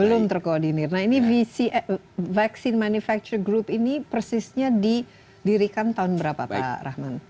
belum terkoordinir nah ini visi vaksin manufacture group ini persisnya didirikan tahun berapa pak rahman